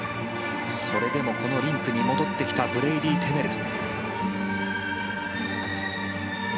それでもこのリンクに戻ってきたブレイディー・テネル。